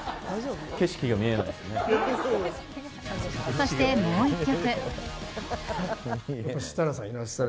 そして、もう１曲。